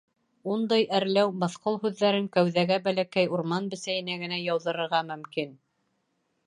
Ундай әрләү, мыҫҡыл һүҙҙәрен кәүҙәгә бәләкәй урман бесәйенә генә яуҙырырға мөмкин.